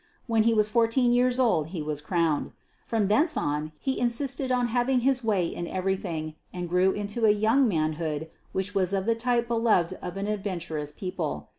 When he was fourteen years old he was crowned. From thence on he insisted on having his way in everything, and grew into a young manhood which was of the type beloved of an adventurous people.